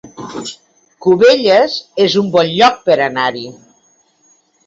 Cubelles es un bon lloc per anar-hi